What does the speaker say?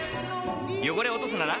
汚れを落とすなら？